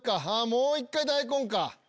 もう一回大根か。